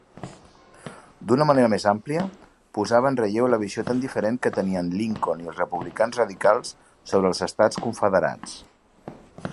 D'una manera més àmplia, posava en relleu la visió tan diferent que tenien Lincoln i els republicans radicals sobre els Estats Confederats.